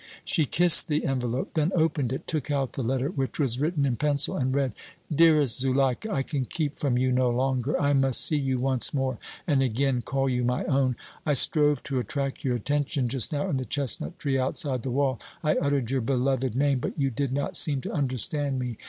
She kissed the envelope, then opened it, took out the letter, which was written in pencil, and read: DEAREST ZULEIKA: I can keep from you no longer. I must see you once more and again call you my own. I strove to attract your attention just now in the chestnut tree outside the wall. I uttered your beloved name, but you did not seem to understand me.